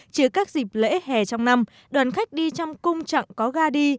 trừ các dịp lễ hè trong năm đoàn khách đi trong cung chặng có ga đi